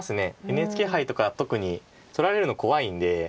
ＮＨＫ杯とか特に取られるの怖いんで。